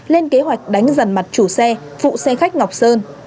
lên kế hoạch đánh dần mặt chủ xe phụ xe khách ngọc sơn